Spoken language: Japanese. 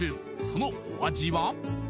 そのお味は？